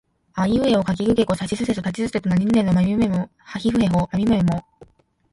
あいうえおかきくけこさしすせそたちつてとなにぬねのはひふへほまみむめも